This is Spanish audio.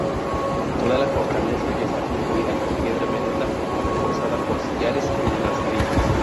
Toda la fortaleza está construida con piedra menuda, reforzada por sillares en las aristas.